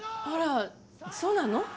あらそうなの？